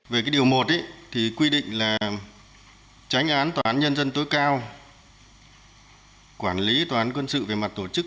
về cái điều một thì quy định là tránh án tòa án nhân dân tối cao quản lý tòa án quân sự về mặt tổ chức